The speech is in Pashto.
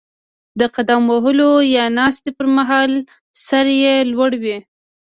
د قدم وهلو یا ناستې پر مهال سر یې لوړ وي.